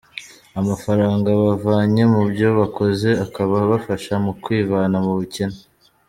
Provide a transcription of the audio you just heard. Amafaranga bavanye mu byo bakoze akaba abafasha mu kwivana mu bukene.